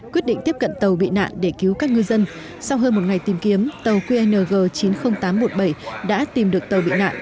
quyết định tiếp cận tàu bị nạn để cứu các ngư dân sau hơn một ngày tìm kiếm tàu qng chín mươi nghìn tám trăm một mươi bảy đã tìm được tàu bị nạn